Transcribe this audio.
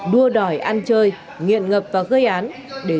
đua đòi ăn chơi nghiện ngập và gây án trộn cắp cướp giật để kiếm tiền thỏa mãn cân nghiện